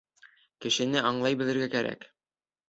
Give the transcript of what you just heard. Кешене аңлай белергә кәрәк.